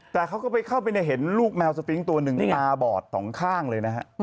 แต่เขาก็ไปเข้าไปเนี่ยเห็นลูกแมวสปิงค์ตัวหนึ่งตาบอดสองข้างเลยนะฮะ